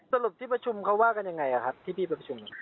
สรุปที่ประชุมเขาว่ากันยังไงครับที่พี่ประชุม